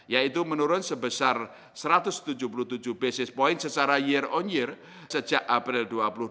yaitu menurun sebesar satu ratus tujuh puluh tujuh basis point secara year on year sejak april dua ribu dua puluh